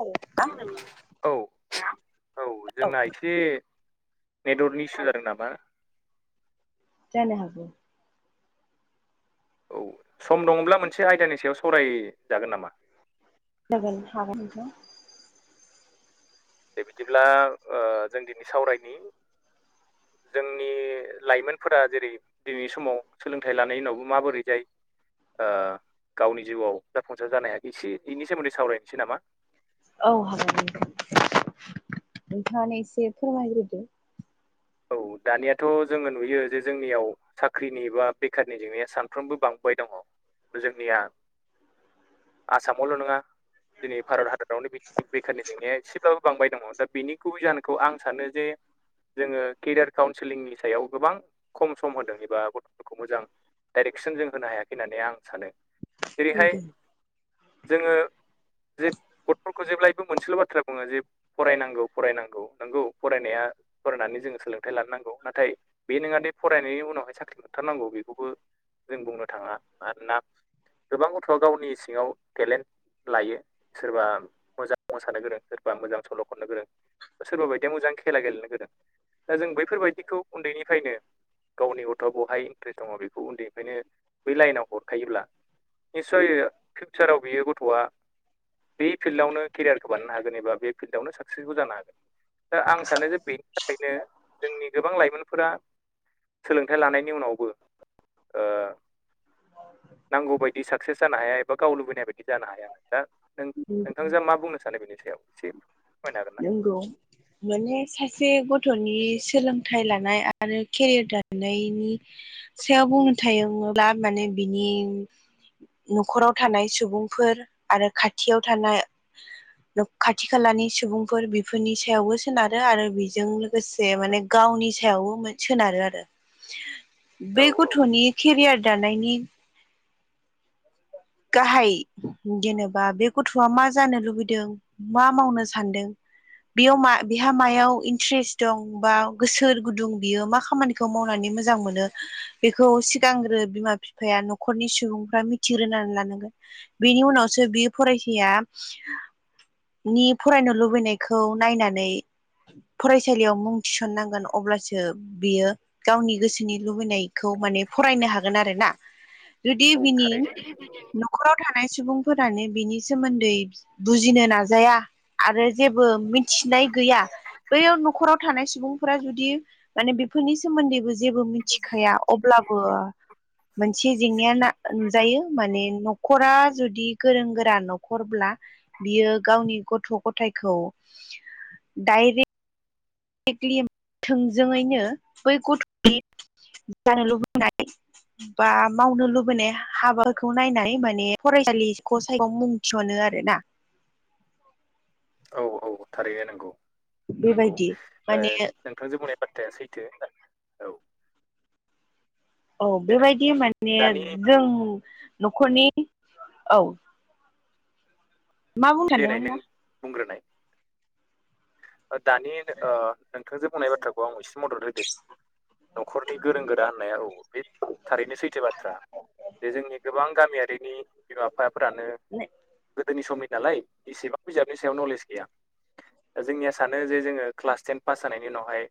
औ ना औ औ जोंना एसे नेटवर्कनि इसु जादों नामा? जानो हागौ औ सम दङब्ला मोनसे आयदानि सायाव सावरायजागोन नामा? जागोन हागोन दे बिदिब्ला ओ जों दिनै सावरायनि जोंनि लाइमोनफोरा जेरै दिनैनि समाव सोलोंथाइ लानाय उनावबो माबोरै जायो ओ गावनि जिउआव जाफुंसार जानो हायाखिसै इनि सोमोन्दै सावरायनोसै नामा? औ हागोन नोंथाङानो एसे फोरमायग्रोदो। औ दानियाथ जोङो नुयो जे जोंनियाव साख्रिनि बा बेखारनि जेंनाया सानफ्रोमबो बांबोबाय दङ जोंनिया आसामावल' नोङा दिनै भारत हादोदावनो बिद बेखारनि जेंनाया एसेब्लाबो बांबाय दङ दा बेनि गुबै जाहोनखौ आं सानो जे जोङो केरियार काउन्सेलिंनि सायाव गोबां खम सम होदों एबा गथ'फोरखौ मोजां डाइरेक्सन जों होनो हायाखै होननानै आं सानो। जेरैहाय जोङो जे गथफोरखौ जेब्लायबो मोनसेल' बाथ्रा बुङो जे फरायनांगौ फरायनांगौ नंगौ फरायनाया फरायनानै जोङो सोलोंथाइ लानो नांगौ। नाथाय बे नङा दे फरायनायनि उनावहाय साख्रि मोनथारनांगौ बेखौबो जों बुंनो थाङा मानोना गोबां गथ'आ गावनि सिङाव टेलेन्ट लायो सोरबा मोजां मोसानो गोरों, सोरबा मोजां सल' खननो गोरों, सोरबा बायदिया मोजां खेला गेलेनो गोरों। दा जों बैफोरबायदिखौ उन्दैनिफ्रायनो गावनि गथ'आ बहाय इन्ट्रेस्ट दङ बेखौ उन्दैनिफ्रायनो बै लाइनाव हरखायोब्ला निस्सय फिउचाराव बियो गथ'आ बे फिल्डआवनो केरियारखौ बानायनो हागोन एबा बे फिल्डआवनो साक्सेसफुल जानो हागोन दा आं सानो जे बे नो जोंनि गोबां लाइमोनफोरा सोलोंथाइ लानायनि उनावबो ओ नांगौ बायदि साक्सेस जानो हाया एबा गाव लुबैनाय बायदि जानो हाया दा नों नोंथांजोआ मा बुंनो सानो बेनि सायाव एसे फोरमायनो हागोन ना? नोंगौ। जियान जाया सासे गथ'नि सोलोंथाइ लानाय आरो केरियार दानायनायनि सायाव बुंनो थायोब्ला माने बिनि न'खराव थानाय सुबुंफोर आरो खाथियाव थाना खाथि खालानि सुबुं फोर बेफोरनि सायावबो सोनारो आरो बेजों लोगोसे माने गावनि सायावबो सोनारो आरो। [inaudible] औ बेै औ गथ'नि केरियार दानायनि गाहाय जेनोबा बे गथ'आ मा जानो लुबैदों मा मावनो सानदों बेयाव बेहा मायाव इन्ट्रेस दं बा गोसो गुदुं बियो मा खामानि खौ मावनानै मोजां मोनो बेखौ सिगांग्रो बिमा बिफाया न'खरनि सुबुंफ्रा मिथिग्रोना लानांगोन बेनि उनावसो बे फरायसाया नि फरायनो लुबैनायखौ नायनानै फरायसालियाव मुं थिसननांगोन अब्लासो बियो गावनि गोसोनि लुबैनाय खौ माने फरायनो हागोन आरो ना जुदि औ बिनि [inaudible] न'खराव थानाय सुबुंफोरानो बिनि सोमोन्दै बुजिनो नाजाया आरो जेबो मिन थिनाय गैया बैयो न'खराव थानाय सुबुंफोरा जुदि माने बेफोरनि सोमोन्दैबो जेबो मिथिखाया अब्लाबो मोनसे जेंनाया नुजायो माने न'खरा जुदि गोरों गोरा न'खरब्ला बियो गावनि गथ' गथायखौ डाइरेक्ट कलि थोंजोङैनो बै गथ'नि जानो लुबैनाय बा मावनो लुबैनाय हाबाखौ नायनानै माने फरायसालिखौ सायख मुं थिसनो आरो ना। औ औ थारैनो नोंगौ नोंगौ बेबायदि ओ माने नोंथां जे बुंनाय बाथ्राया सैथो। औ औ देनाय बेबायदि माने दानि जों न'खरनि औ। मा बुंनो देनाय सानदोंमोन नों ना बुंग्रोनाय। ओ दानि ओ नोंथांजे ओ बुंनाय बाथ्राखौ आं एसे मदद होदो। न'खरनि गोरों गोरा होननाया औ बे थारैनो सैथो बाथ्रा। जे जोंनि गोबां गामियारिनि बिमा बिफाफोरानो गोदोनि सम नालाय इसेबां बिजाबनि सायाव नलेज गैया दा जोंनिया सानो जे जोङो क्लास टेन पास जानायनि उावहाय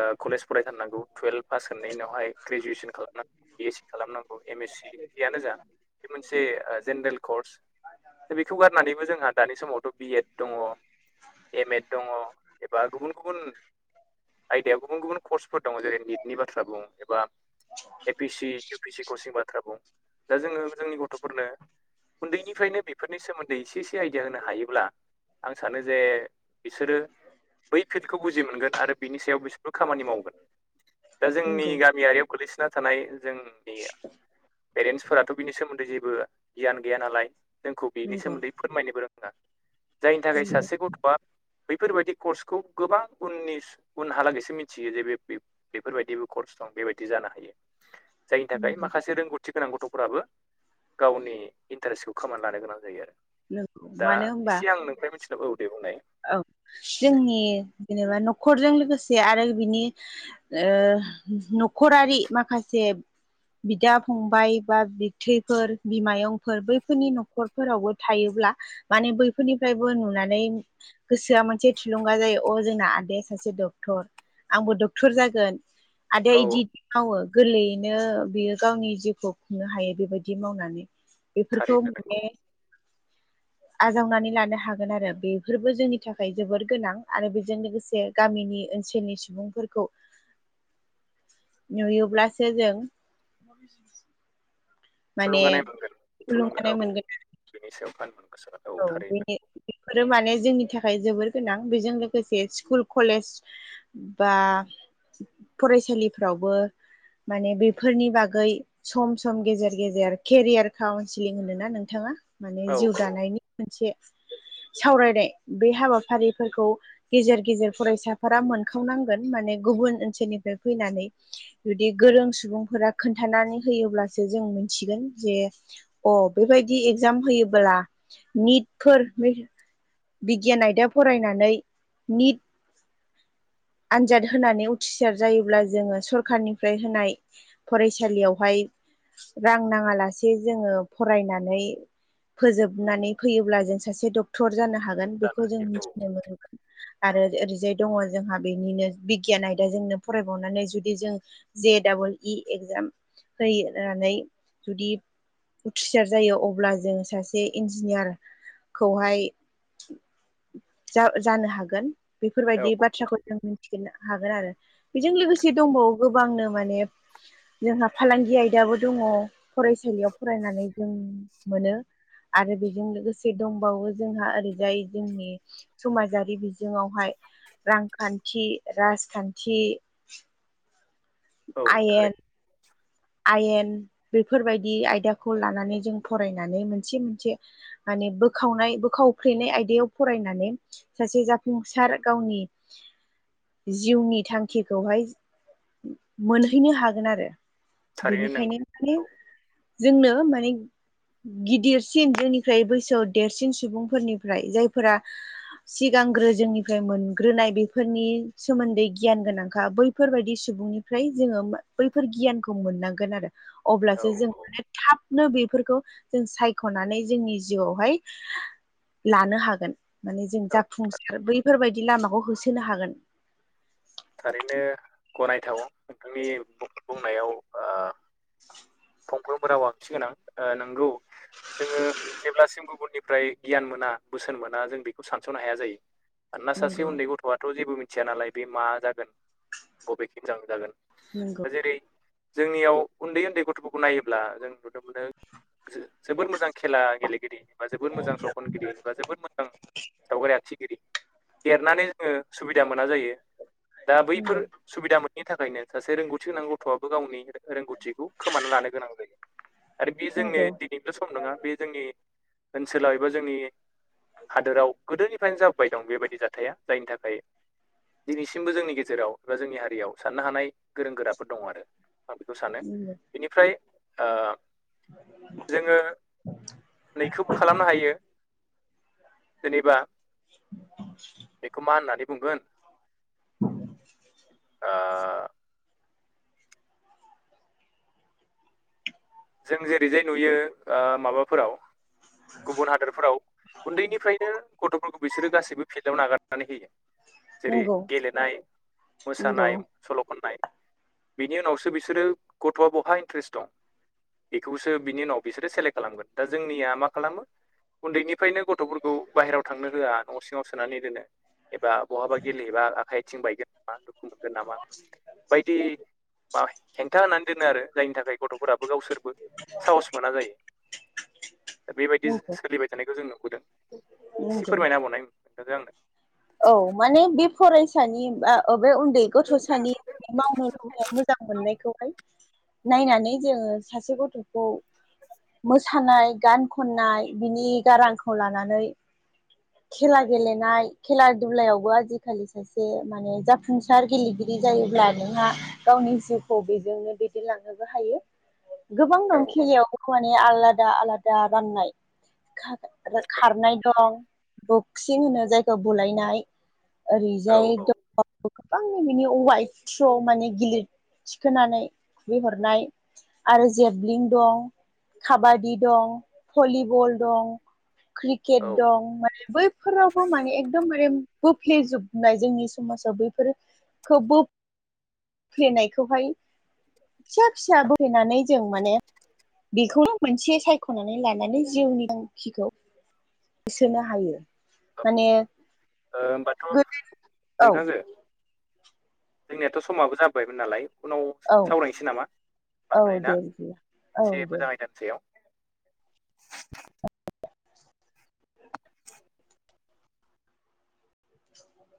ओ कलेज फरायथारनांगौ टुवेल्भ पास होननायनि उनावहाय ग्रेजुवेसन खालामनांग बि एस सि खालामनांगौ एम एस सि जियानो जा बे मोनसे जेनेरेल कर्स। खौ गारनानैबो जोंहा दानि समावथ' बिएद दङ। एम एड दङ एबा गुबुन गुबुन आयदायाव गुबुन गुबुन कर्सफोर दङ जेरै निटनि बाथ्रा बुं एबा A P C U P C कर्चनि बाथ्रा बुं दा जोङो जोंनि गथ'फोरनो उन्दैनिफ्रायनो बेफोर नि सोमोन्दै इसे इसे आइडिया होनो हायोब्ला आं सानो जे बिसोरो बै फिलदखौ बुजि मोनगोन आरो बिनि सायाव बिस राव खामानि मावहोगोन दा जोंनि नंगौ गामियारियाव गोलैसोना थानाय जों बे पेरेन्सफोराथ' बिनि सोमोन्दै जेबो गियान गैया नालाय जोंखौ बेनि नंगौ सोमोन्दै फोरमायनोबो रोङा जायनि थाखाय सासे गथ' बा बैफोरबायदि कर्सखौ गोबां उननि स उनहालागैसो मिथियो जे बेब-बेब-बेफोरबायदिबो कर्स दं बेबायदि जानो हायो जायनि थाखाय नंगौ माखासे रोंगौथि गोनां गथ'फोराबो गावनि इन्टारेस्टखौ खोमाना लानो गोनां जायो आरो नंगौ दा मानो होनबा एसे आं नोंफ्राय मिथिनो औ दे बुंनाय औ जोंनि जेनेबा न'खरजों लोगोसे आरो बिनि ओ न'खरारि माखासे बिदा फंबाय बा बिथैफोर बिमायंफोर बैफोरनि न'खरफोरावबो थायोब्ला माने बैफोरनिफ्रायबो नुनानै गोसोआ मोनसे थुलुंगा जायो अ जोंना आदाया सासे डक्टर आंबो डक्टर जागोन आदाया औ इदि मावो गोरलैयैनो बियो गावनि जिउखौ खुंनो हायो बेबायदि मावनानै बेफोरखौ थारैनो नंगौ माने आजावनानै लानो हागोन आरो बे फोरबो जोंनि थाखाय जोबोर गोनां आरो बेजों लोगोसे गामिनि ओनसोलनि सुबुंफोरखौ [inaudible] नुयोब्लासो जों [inaudible] माने थुलुंगानाय मोनगोन थुलुंगा थुलुंगानाय औ मोनगोन बिनि सायाव फान मोन औ बे बेफोरो माने जोंनि थाखाय जोबोर गोनां बेजों लोगोसे स्कुल कलेज बा फरायसालिफ्रावबो माने बेफोरनि बागै सम सम गेजेर गेजेर खेरियार काउन्सिलिं होनोना नोंथाङा माने औ जिउ औ दानायनि मोनसे सावरायनाय बे हाबाफारिफोरखौ गेजेर गेजेर फरायसाफोरा मोनखावनांगोन माने गुबुन ओनसोलनिफ्राय फैनानै जुदि गोरों सुबुंफोरा खोन्थानानै होयोब्लासो जों मोनथिगोन जे अ बेबायदि एगजाम होयोबोला निटफोर बिगियान आयदा फरायनानै निट आनजाद होनानै उथिसार जायोब्ला जोङो सरखारनिफ्राय होनाय फरायसालियावहाय रां नाङा लासे जोङो फरायनानै फोजोबनानै फैयोब्ला जों सासे डक्टर जानो हागोन गोन जानो बेखौ जों हायो मिथि आरो ओरैजाय दङ जोंहा बेनिनो बिगियान आयदाजोंनो फरायबावनानै जुदि जों जे डाबल इ एक्जाम फै होनानै जुदि उथ्रिसार जायो अब्ला जों सासे इन्जिनियारखौहाय जा जानो हागोन औ बेफोरबायदि बाथ्राखौ फिनो हागोन आरो बेजों लोगोसे दंबावो गोबांनो माने जोंहा फालांगि आयदाबो दङ फरायसालियाव फरायनानै जों मोनो आरो बेजों लोगोसे दंबावो जोंहा ओरैजाय जोंनि समाजारि बिजोङावहाय खान्थि राजखान्थि औ आयेन थारै। आयेन बेफोरबायदि आयदाखौ लानानै जों फरायनानै मोनसे मोनसे माने बोखावनाय बोखावफ्लेनाय आयदायाव फरायनानै सासे जाफुंसार गावनि जिउनि थांखिखौहाय मोनहैनो हागोन आरो थारैनो बेनिखायनो माने नोंगौ जोंनो माने गिदिरसिन जोंनिफ्राय बैसोआव देरसिन सुबुंफोरनिफ्राय जायफोरा सिगांग्रो जोंनिफ्राय मोनग्रोनाय बेफोरनि सोमोन्दै गियान गोनांखा बैफोरबायदि सुबुंनि फ्राय जोङो मा बैफोर गियानखौ मोननांगोन आरो औ अब्लासो जों माने थाब नो बेफोरखौ जों सायख'नानै जोंनि जिउआवहाय लानो हागोन माने जों औ जाफुंसार बैफोरबायदि लामाखौ होसोनो हागोन थारैनो गनायथाव नोंथांनि बुं बुंनायाव ओ फंफ्रोमबो राव आ थिगोनां ओ नोंगौ जोङो जेब्लासिम गुबुननिफ्राय गियान मोना बोसोन मोना जों बेखौ सानस'नो हाया जायो। मानोना सासे नंगौ उन्दै गथ'आथ' जेबो मिथिया नालाय बे मा जागोन बबेखिजां जागोन नोंगौ। दा जेरै जोंनियाव उन्दै उन्दै गथ'फोरखौ नायोब्ला जों नुनो मोनो जो जोबोद मोजां खेला गेलेगिरि बा जोबोद मोजां सावखुनगिरि बा जोबोद मोजां सावगारि आखिगिरि देरनानै जोङो सुबिदा मोना जायो दा बैफोर नंगौ सुबिदा मोननि थाखायनो सासे रोंगौथि गोनां गथ'आबो गावनि रोंगौथिखौ खोमा लानो गोनां जायो आरो बे जोंनि नंगौ नैल' सम नङा बे जोंनि ओनसोलाव एबा जोंनि हादोराव गोदोनि फ्रायानो जाबोबाय दं बेबायदि जाथाया जायनि थाखाय दिनैसिमबो जोंनि गेजेराव एबा जोंनि हारियाव साननो हानाय गोरों गोराफोर दङ आरो आं बेखौ सानो उम बेनिफ्राय ओ जोङो नैखोब खालामनो हायो। जेनेबा [inaudible] बेखौ मा होननानै बुंगोन ओ जों जेरैजाय नुयो ओ माबाफोराव गुबुन हादरफोराव उन्दैनिफ्रायनो गथ'फोरखौ बिसोरो गासैबो फिल्डआव नागारनानै होयो जेरै नंगौ गेलेनाय नंगौ मोसानाय सल' खननाय बिनि उनावसो बिसोरो गथ'आ बहा इन्ट्रेस्ट दं। बेखौसो बिनि उनाव बिसोरो सेलेक्ट खालामगोन दा जोंनिया मा खालामो उन्दैनिफ्रायनो गथ'फोरखौ बाहेरायाव थांनो होआ न' सिङाव सोनानै दोनो एबा बहाबा गेलेहैबा आखाइ आथिं बायगोन नामा दुखु मोनगोन नामा। बायदि मा हेंथा होनानै दोनो आरो जायनि थाखाय गथ'फोराबो गावसोर साहस मोना जायो। दा बेबायदि नंगौ सोलिबाय थानायखौ जों नुबोदों एसे नंगौ फोरमायनाबावनाय खोनथादों आंनो औ माने बे फरायसानि बा बे उन्दै गथ'सानि मावनो लुबैनाय मोजां मोननायखौहाय नायनानै जोङो सासे गथ'खौ मोसानाय गान खननाय बिनि गारांखौ लानानै खेला गेलेनाय खेला दुलायावबो आजिखालि सासे माने जाफुंसार गेलेगिरि जायोब्ला नोंहा गावनि जिउखौ बेजोंनो दैदेनलांनोबो हायो। गोबां दं आंनो औ खेलायाव माने आलादा आलादा राननायखागोन आरो औ खारनाय दं बक्सिं होनो जायखौ बुलायनाय औ ओरैजाय गोबां बिनि वाइभ थ्रु माने गिलिर थिखोनानै खुबैहरनाय आरो जेबलिं दं काबादि दं भलिबल दं क्रिकेट औ दं माने बैफोरावबो माने एकदमारे बोफ्लेेजोबनाय जोंनि समाजाव बैफोरफोरखौ ब फेनायखौहाय फिसा फिसा बोहैनानै जों माने बेखौनो मोनसे सायख'नानै लानानै जिउनि थांखिखौ होसोनो हायो माने ओ होनोमबाथ' औ नोंथांजो जोंनियाथ' समाबो जाबोबायमोन नालाय उनाव औ सावरायनोसै नामा औ बारमनानै ना दे बिदिब्ला औ एसे दे मोजां आयदा ज [unintelligible]